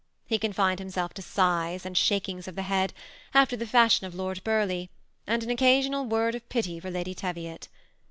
He oonlSned himself to sighs and shakings of the head, after the fashion of Lord Burleigh, and an occasional word of pity for Lady Teviot.